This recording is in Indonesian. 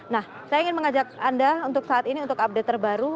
nah saya ingin mengajak anda untuk saat ini untuk update terbaru